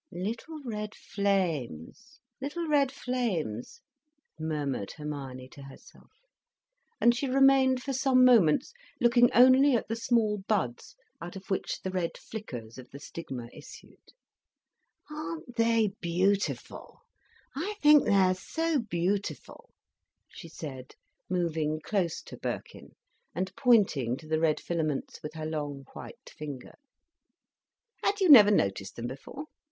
"Little red flames, little red flames," murmured Hermione to herself. And she remained for some moments looking only at the small buds out of which the red flickers of the stigma issued. "Aren't they beautiful? I think they're so beautiful," she said, moving close to Birkin, and pointing to the red filaments with her long, white finger. "Had you never noticed them before?"